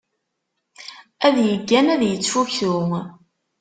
Ad yeggan ad yettfuktu.